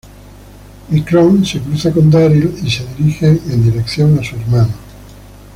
Michonne se cruza con Daryl y se dirigen en dirección a su hermano.